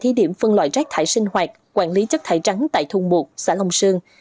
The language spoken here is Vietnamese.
thí điểm phân loại rác thải sinh hoạt quản lý chất thải trắng tại thung bột xã long sơn